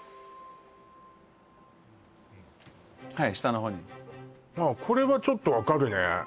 はい下のほうにあっこれはちょっと分かるね